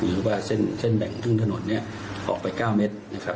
หรือว่าเส้นแบ่งครึ่งถนนเนี่ยออกไป๙เมตรนะครับ